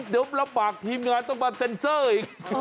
เดี๋ยวรับปากทีมงานต้องมาเซ็นเซอร์อีก